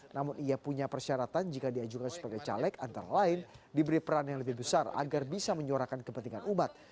namun ia punya persyaratan jika diajukan sebagai caleg antara lain diberi peran yang lebih besar agar bisa menyuarakan kepentingan umat